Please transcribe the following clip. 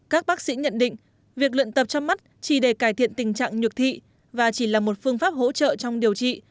các bác sĩ nhận định việc luyện tập trong mắt chỉ để cải thiện tình trạng nhược thị và chỉ là một phương pháp hỗ trợ trong điều trị